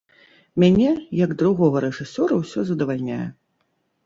Мяне, як другога рэжысёра ўсё задавальняе.